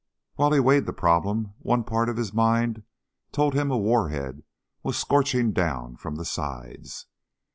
While he weighed the problem, one part of his mind told him a warhead was scorching down from the sides.